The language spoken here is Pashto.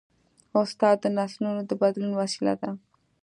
استاد د نسلونو د بدلون وسیله ده.